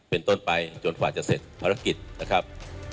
เป็นต้นไปจนกว่าจะเสร็จภารกิจนะครับ